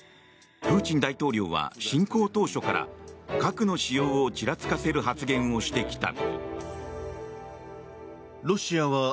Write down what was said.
プーチン大統領は侵攻当初から格の使用をちらつかせる発言をしてきた。